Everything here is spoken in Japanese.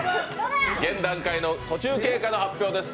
現段階の途中経過を発表です。